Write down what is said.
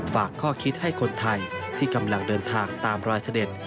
ฝากข้อคิดให้คนไทยที่กำลังเดินทางตามรอยเสด็จ